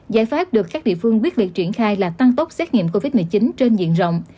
giải pháp được các địa phương quyết liệt triển khai là tăng tốc xét nghiệm covid một mươi chín trên diện rộng